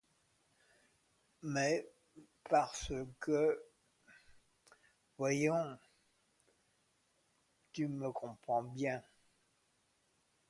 Mais parce que… voyons… tu comprends bien !…